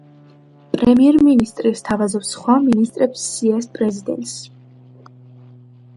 პრემიერ მინისტრი სთავაზობს სხვა მინისტრების სიას პრეზიდენტს.